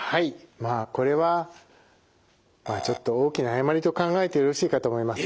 まあこれはちょっと大きな誤りと考えてよろしいかと思います。